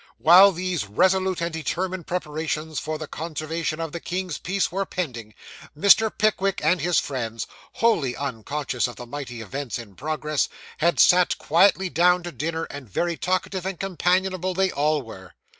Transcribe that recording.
While these resolute and determined preparations for the conservation of the king's peace were pending, Mr. Pickwick and his friends, wholly unconscious of the mighty events in progress, had sat quietly down to dinner; and very talkative and companionable they all were.